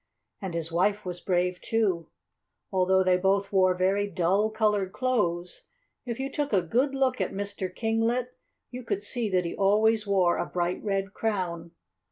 And his wife was brave too. Although they both wore very dull colored clothes, if you took a good look at Mr. Kinglet you could see that he always wore a bright red crown.